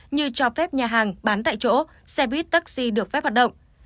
như cho phép nhà hàng bán tại chỗ xe buýt taxi được phép hoạt động